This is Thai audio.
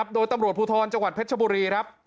โดยตำรวจพูทรจังหวัดเพชรโบรี